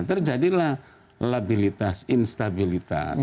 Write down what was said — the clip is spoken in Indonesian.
terjadilah labilitas instabilitas